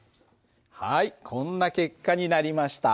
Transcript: はいこんな結果になりました。